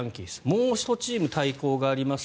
もう１チーム、対抗があります。